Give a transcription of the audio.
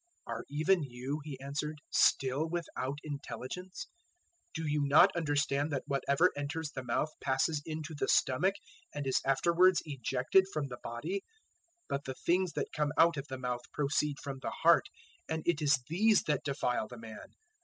015:016 "Are even you," He answered, "still without intellingence? 015:017 Do you not understand that whatever enters the mouth passes into the stomach and is afterwards ejected from the body? 015:018 But the things that come out of the mouth proceed from the heart, and it is these that defile the man.